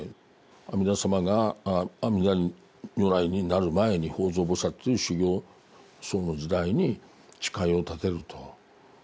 阿弥陀様が阿弥陀如来になる前に法蔵菩薩という修行僧の時代に誓いを立てると。